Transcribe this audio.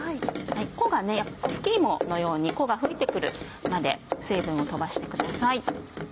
粉吹き芋のように粉が吹いて来るまで水分を飛ばしてください。